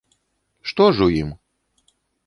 Што ж у ім?